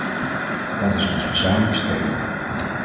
Dat is ons gezamenlijk streven.